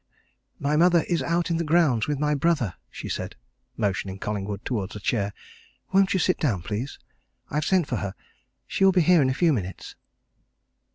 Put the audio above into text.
"My mother is out in the grounds, with my brother," she said, motioning Collingwood towards a chair. "Won't you sit down, please? I've sent for her; she will be here in a few minutes."